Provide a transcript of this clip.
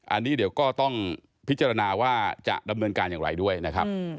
อันนี้เดี๋ยวก็ต้องพิจารณาว่าจะดำเนินการอย่างไรด้วยนะครับ